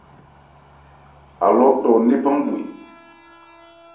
Alɔ 'tɔ ńnephan bhwe.